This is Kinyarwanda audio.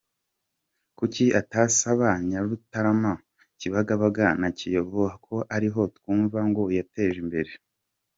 Kuki atayasaba Nyarutarama, Kibagabaga na Kiyovu ko ariho twumva ngo yateje imbere?